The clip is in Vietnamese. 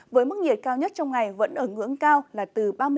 với mức nhiệt cao nhất trong ngày vẫn ở ngưỡng cao là từ ba mươi năm